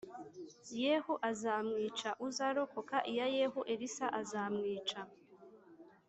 Yehu azamwica, uzarokoka iya Yehu, Elisa azamwica